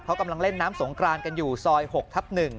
เขากำลังเล่นน้ำสงกรานกันอยู่ซอย๖ทับ๑